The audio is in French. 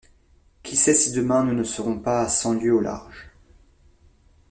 Qui sait si demain nous ne serons pas à cent lieues au large?